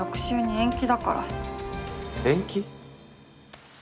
延期？